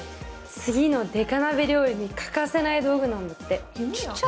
次のデカ鍋料理に欠かせない道具なんだって。